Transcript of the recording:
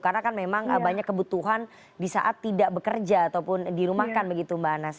karena kan memang banyak kebutuhan di saat tidak bekerja ataupun dirumahkan begitu mbak anas ya